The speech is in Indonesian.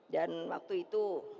dan waktu itu